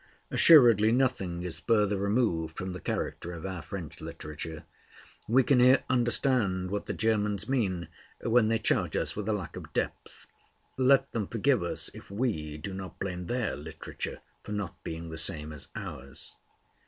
Assuredly nothing is further removed from the character of our French literature. We can here understand what the Germans mean when they charge us with a lack of depth. Let them forgive us if we do not blame their literature for not being the same as ours.